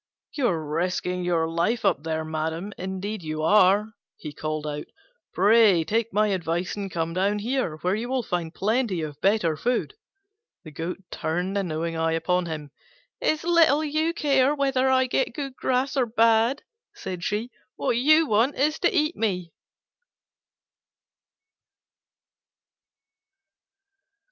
"You are risking your life up there, madam, indeed you are," he called out: "pray take my advice and come down here, where you will find plenty of better food." The Goat turned a knowing eye upon him. "It's little you care whether I get good grass or bad," said she: "what you want is to eat me."